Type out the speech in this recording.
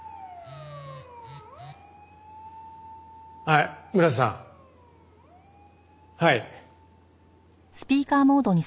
はい村瀬さん。はい。